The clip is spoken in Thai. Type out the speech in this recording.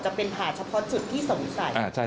จะเป็นหาดเฉพาะจุดที่สงสัย